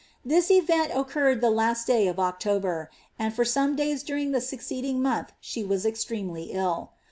This event occurred the last day of October, and Ibrsoaw days during the succeeding month she was extremely ilL